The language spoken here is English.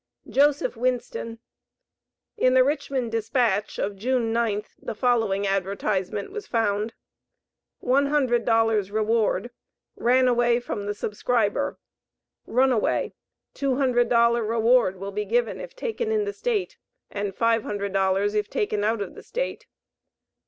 Joseph Winston. In the Richmond Dispatch, of June 9th, the following advertisement was found: ONE HUNDRED DOLLARS REWARD. Ran away from the subscriber, RUNAWAY. $200 REWARD will be given if taken in the state, and $500 if taken out of the state.